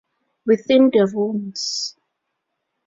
Within the Ruins